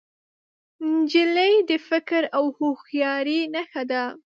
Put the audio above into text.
نجلۍ د فکر او هوښیارۍ نښه ده.